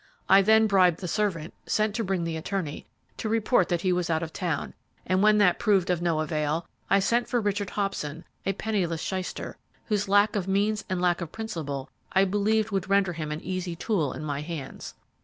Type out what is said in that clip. I then bribed the servant sent to bring the attorney to report that he was out of town, and when that proved of no avail, I sent for Richard Hobson, a penniless shyster, whose lack of means and lack of principle I believed would render him an easy tool in my hands.